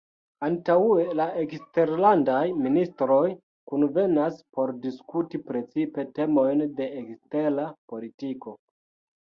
Antaŭe la eksterlandaj ministroj kunvenas por diskuti precipe temojn de ekstera politiko.